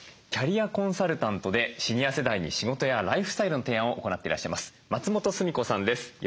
キャリアコンサルタントでシニア世代に仕事やライフスタイルの提案を行っていらっしゃいます松本すみ子さんです。